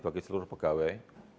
bagi seluruh pegawai